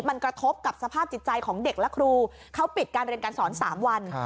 มันกระทบกับสภาพจิตใจของเด็กและครูเขาปิดการเรียนการสอน๓วัน